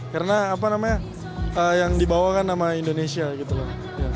karena apa namanya yang dibawakan nama indonesia gitu loh